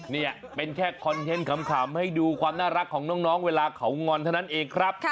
นี่เป็นแค่คอนเทนต์ขำให้ดูความน่ารักของน้องเวลาเขางอนเท่านั้นเองครับ